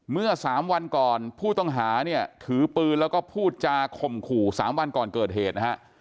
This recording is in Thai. เมื่อ๓วันก่อนผู้ต้องหาเนี่ยถือปืนแล้วก็พูดจาข่มขู่๓วันก่อนเกิดเหตุนะฮะ